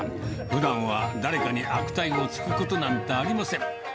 ふだんは誰かに悪態をつくことなんてありません。